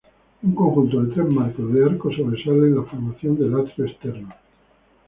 Un conjunto de tres marcos de arco sobresale en la formación del atrio externo.